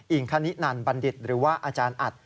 งคณินันบัณฑิตหรือว่าอาจารย์อัด